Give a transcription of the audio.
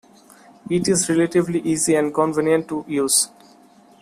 It is relatively easy and convenient to use.